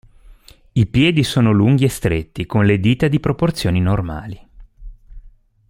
I piedi sono lunghi e stretti, con le dita di proporzioni normali.